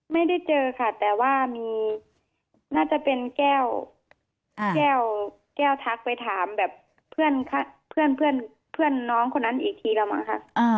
ไม่ได้เจอค่ะแต่ว่ามีน่าจะเป็นแก้วแก้วทักไปถามแบบเพื่อนน้องคนนั้นอีกทีแล้วมั้งค่ะ